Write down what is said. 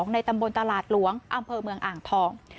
ในตำบลตลาดหลวงอำเภอเมืองอ่างทอง